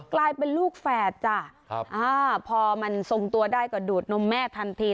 กลายเป็นลูกแฝดจ้ะพอมันทรงตัวได้ก็ดูดนมแม่ทันที